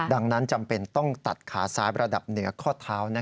ดังนั้นจำเป็นต้องตัดขาซ้ายระดับเหนือข้อเท้า